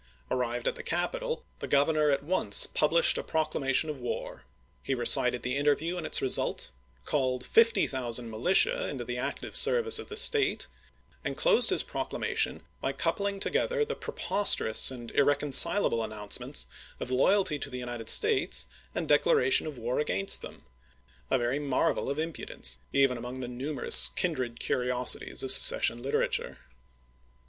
Arrived at the capital, chap. xi. the Grovernor at once published a proclamation of war. He recited the interview and its result, called fifty thousand militia into the active service of the State, and closed his proclamation by coup ling together the preposterous and irreconcilable announcements of loyalty to the United States and declaration of war against them — a very mar vel of impudence, even among the numerous kin dred curiosities of secession literature.